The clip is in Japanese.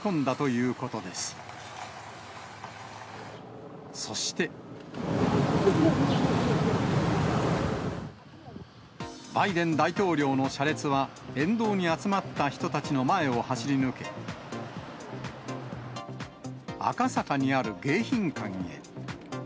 見える、見える、見える、バイデン大統領の車列は、沿道に集まった人たちの前を走り抜け、赤坂にある迎賓館へ。